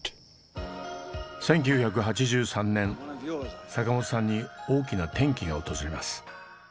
１９８３年坂本さんに大きな転機が訪れます。